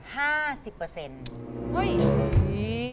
เฮ้ย